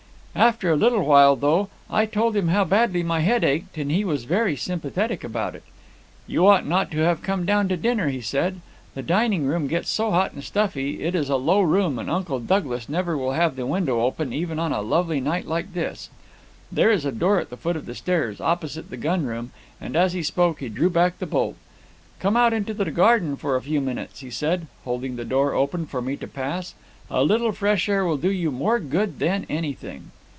"After a little while, though, I told him how badly my head ached, and he was very sympathetic about it. 'You ought not to have come down to dinner,' he said, 'the dining room gets so hot and stuffy; it is a low room, and Uncle Douglas never will have the window open, even on a lovely night like this.' There is a door at the foot of the stairs, opposite the gun room, and as he spoke he drew back the bolt. 'Come out into the garden for a few minutes,' he said, holding the door open for me to pass, 'a little fresh air will do you more good than anything.'